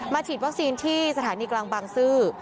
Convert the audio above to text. ฉีดวัคซีนที่สถานีกลางบางซื่อ